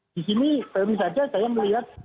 di sini baru saja saya melihat